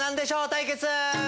対決‼